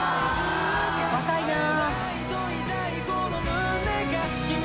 若いなあ。